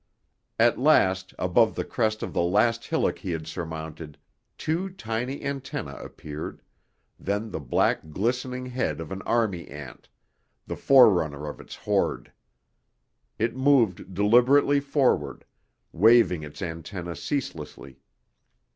At last, above the crest of the last hillock he had surmounted, two tiny antennae appeared, then the black glistening head of an army ant, the forerunner of its horde. It moved deliberately forward, waving its antennae ceaselessly.